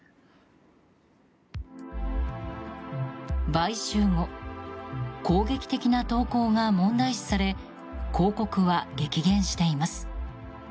買収後攻撃的な投稿が問題視され広告は激減しています。